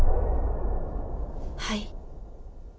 はい。